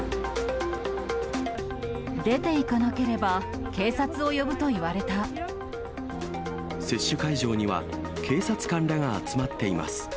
出ていかなければ、接種会場には、警察官らが集まっています。